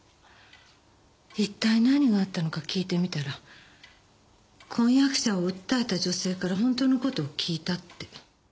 一体何があったのか聞いてみたら婚約者を訴えた女性から本当の事を聞いたって。